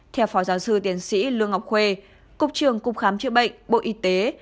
theo phó giáo sư tiến sĩ lương ngọc khuê cục trường cục khám chữa bệnh bộ y tế